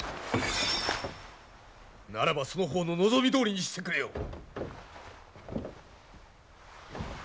ならばその方の望みどおりにしてくれよう。